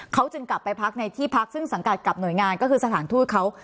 เขาจึงกลับไปพักในที่พักซึ่งสังกัดกับหน่วยงานก็คือสถานทูตเขา